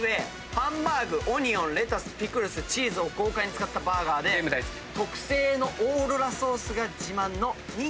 ハンバーグオニオンレタスピクルスチーズを豪快に使ったバーガーで特製のオーロラソースが自慢の。